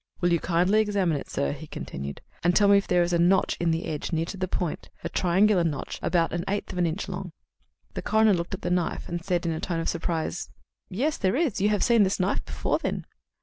"Will you kindly examine it, sir," he continued, "and tell me if there is a notch in the edge, near to the point a triangular notch about an eighth of an inch long?" The coroner looked at the knife, and then said in a tone of surprise: "Yes, there is. You have seen this knife before, then?"